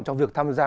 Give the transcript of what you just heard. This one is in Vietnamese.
trong việc tham gia